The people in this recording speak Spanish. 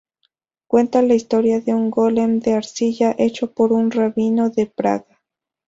Cuenta la historia de un Golem de arcilla hecho por un rabino de Praga.